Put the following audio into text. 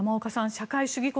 社会主義国